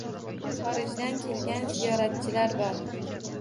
Xorijdan kelgan ziyoratchilar bor.